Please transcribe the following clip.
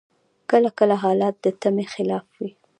کله کله حالات د تمي خلاف وي.